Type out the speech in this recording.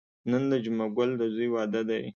نن د جمعه ګل د ځوی واده دی.